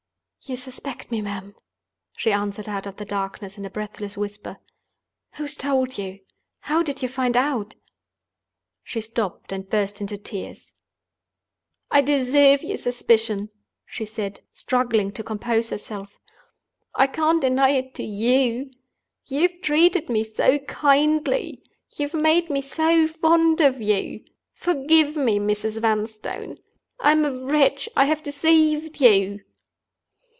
"You suspect me, ma'am!" she answered out of the darkness, in a breathless whisper. "Who has told you? How did you find out—?" She stopped, and burst into tears. "I deserve your suspicion," she said, struggling to compose herself. "I can't deny it to you. You have treated me so kindly; you have made me so fond of you! Forgive me, Mrs. Vanstone—I am a wretch; I have deceived you."